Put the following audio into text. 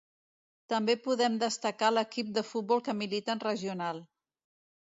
També podem destacar l'equip de futbol que milita en regional.